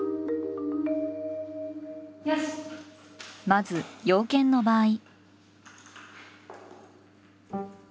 まず洋犬の場合。